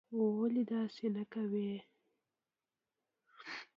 ولي داسې نه کوې?